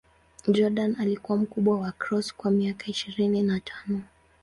Jordan alikuwa mkubwa wa Cross kwa miaka ishirini na tano.